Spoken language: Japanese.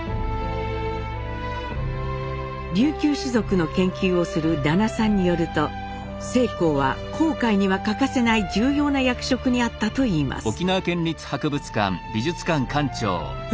琉球士族の研究をする田名さんによると正好は航海には欠かせない重要な役職にあったといいます。